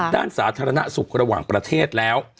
สาธารณสุขระหว่างประเทศแล้ว